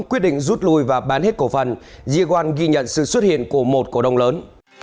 quyết định rút lui và bán hết cổ phần jiwan ghi nhận sự xuất hiện của một cổ đông lớn